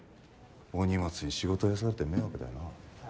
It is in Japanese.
お荷物に仕事増やされて迷惑だよな。